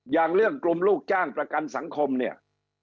อย่างเรื่องกลุ่มลูกจ้างประกันสังคมเนี่ย